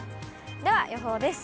では予報です。